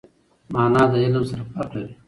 مانا د علم سره فرق لري.